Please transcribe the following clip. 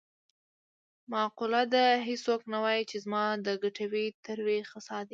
معقوله ده: هېڅوک نه وايي چې زما د کټوې تروې خسا دي.